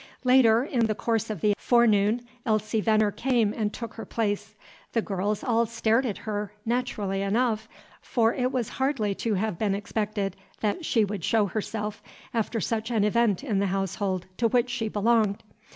Later, in the course of the forenoon, Elsie Venner came and took her place. The girls all stared at her naturally enough; for it was hardly to have been expected that she would show herself, after such an event in the household to which she belonged.